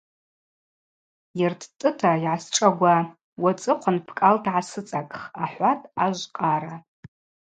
Йыртӏтӏыта йгӏасшӏагва, уацӏыхъван бкӏалта гӏасыцӏакӏх, – ахӏватӏ ажв къара.